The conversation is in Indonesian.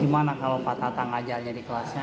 gimana kalau pak tatang ajalnya di kelasnya